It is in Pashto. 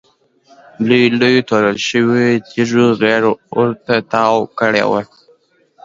لویو لویو توږل شویو تیږو غېږ ورته تاو کړې وه.